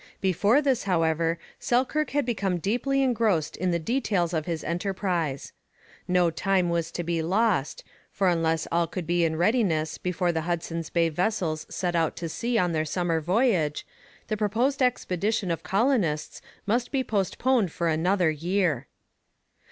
Before this, however, Selkirk had become deeply engrossed in the details of his enterprise. No time was to be lost, for unless all should be in readiness before the Hudson's Bay vessels set out to sea on their summer voyage, the proposed expedition of colonists must be postponed for another year.